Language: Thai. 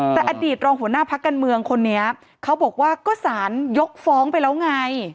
แต่อดีตรองหัวหน้าพักการเมืองคนนี้เขาบอกว่าก็สารยกฟ้องไปแล้วไง